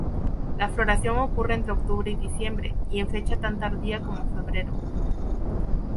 La floración ocurre entre octubre y diciembre, y en fecha tan tardía como febrero.